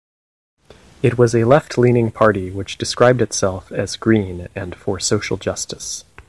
It was a left-leaning party which described itself as green and for social justice.